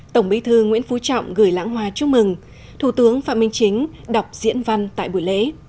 tổng bí thư nguyễn phú trọng gửi lãng hoa chúc mừng thủ tướng phạm minh chính đọc diễn văn tại buổi lễ